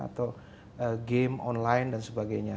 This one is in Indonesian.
atau game online dan sebagainya